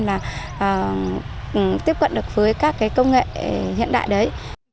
là tiếp cận được với các cái công nghệ hiện đại đấy